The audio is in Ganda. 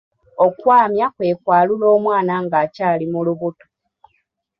Okwamya kwe kwalula omwana nga akyali mu lubuto.